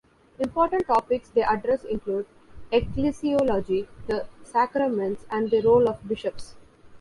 Important topics they address include ecclesiology, the sacraments, and the role of bishops.